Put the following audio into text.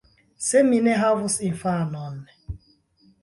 Se mi ne havus infanon!